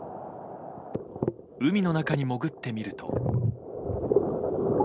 海の中にもぐってみると。